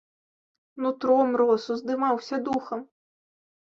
Нутром рос, уздымаўся духам.